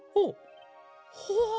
ほう。